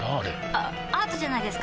あアートじゃないですか？